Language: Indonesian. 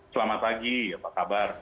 selamat pagi apa kabar